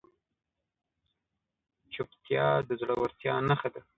چوپتیا، د زړورتیا نښه ده.